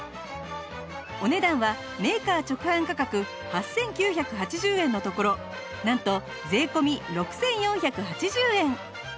お値段はメーカー直販価格８９８０円のところなんと税込６４８０円